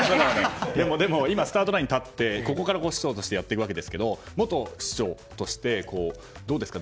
でも今スタートラインに立って市長としてやっていきますが元市長として、どうですか？